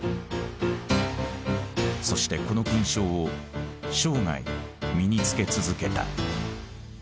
そしてこの勲章を生涯身に着け続けた。